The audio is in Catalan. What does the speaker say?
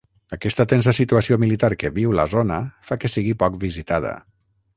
Aquesta tensa situació militar que viu la zona fa que sigui poc visitada.